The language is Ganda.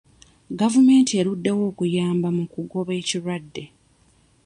Gavumenti eruddewo okuyamba mu kugoba ekirwadde.